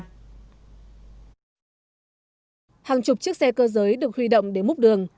hàng chục chiếc xe cơ giới được huy động để múc đường